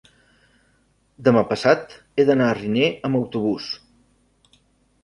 demà passat he d'anar a Riner amb autobús.